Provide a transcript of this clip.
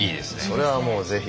それはもうぜひ。